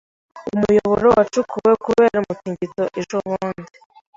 Umuyoboro wacukuwe kubera umutingito ejobundi.